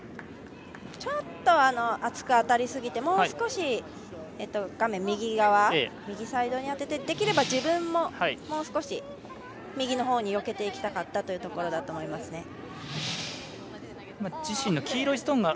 ちょっと厚く当たりすぎてもう少し、右サイドに当ててできれば自分ももう少し右のほうによけていきたかったところだと思いますね。